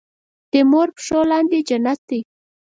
دې مور پښو لاندې جنت دی